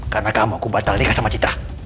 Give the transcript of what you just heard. karena kamu aku batal nikah sama citra